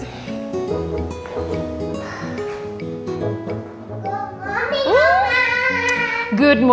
selamat pagi mama